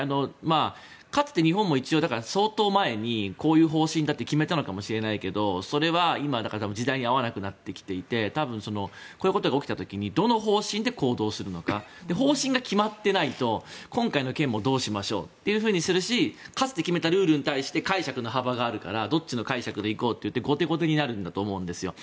かつて日本も一応、相当前にこういう方針だって決めたのかもしれないけどそれは今、時代に合わなくなってきていて多分、こういうことが起きた時にどの方針で行動するのか方針が決まっていないと今回の件もどうしましょうとするしかつて決めたルールに対して解釈の幅があるからどっちの解釈で行こうって後手後手になると思うんですよ。